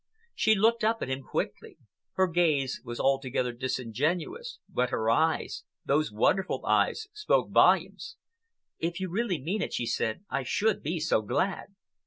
She looked up at him quickly. Her gaze was altogether disingenuous, but her eyes—those wonderful eyes—spoke volumes. "If you really mean it," she said, "I should be so glad."